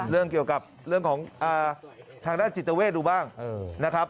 เรื่องเกี่ยวกับเรื่องของทางด้านจิตเวทดูบ้างนะครับ